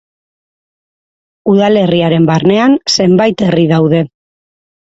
Udalerriaren barnean zenbait herri daude.